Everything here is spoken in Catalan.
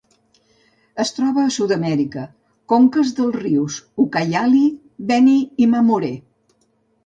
Es troba a Sud-amèrica: conques dels rius Ucayali, Beni i Mamoré.